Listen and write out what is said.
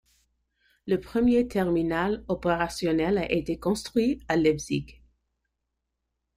Le premier terminal opérationnel a été construit à Leipzig.